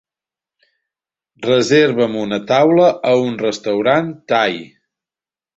Reserva'm una taula a un restaurant thai.